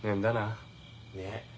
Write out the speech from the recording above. ねえ。